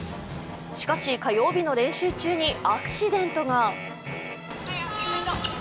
しかし火曜日の練習中にアクシデントが。